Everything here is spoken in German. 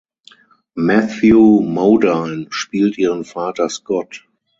Matthew Modine spielt ihren Vater Scott.